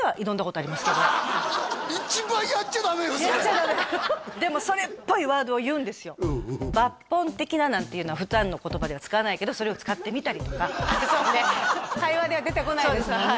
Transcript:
ある意味でもそれっぽいワードを言うんですよなんていうのは普段の言葉では使わないけどそれを使ってみたりとか会話では出てこないですもんね